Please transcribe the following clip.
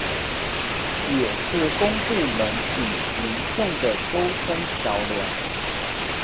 也是公部門與民眾的溝通橋樑